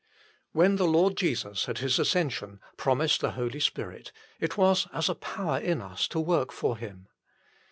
When the Lord Jesus at His ascension promised the Holy Spirit, it was as a power in us to work for Him.